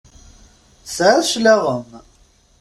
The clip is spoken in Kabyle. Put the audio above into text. Tesɛiḍ cclaɣem!